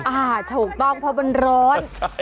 อ่าถูกต้องเพราะมันร้อน